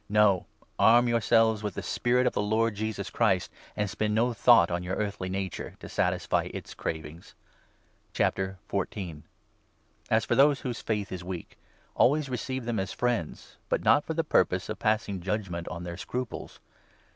No ! 14 Arm yourselves with the spirit of the Lord Jesus Christ, and spend no thought on your earthly nature, to satisfy its cravings. As for those whose faith is weak, always receive i Consideration them as friends, but not for the purpose of pass tor the ing judgement on their scruples.